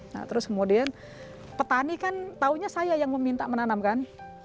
nah terus kemudian petani kan tahunya saya yang meminta menanam kan